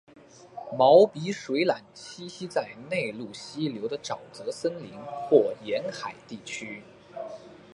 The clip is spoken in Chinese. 毛鼻水獭栖息在内陆溪流的沼泽森林或沿海地区。